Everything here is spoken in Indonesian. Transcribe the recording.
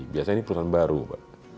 biasanya ini perusahaan baru pak